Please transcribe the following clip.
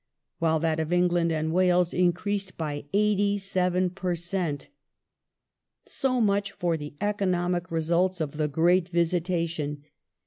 while that of England and Wales increased by 87 per cent. So much for the economic results of the great visitation.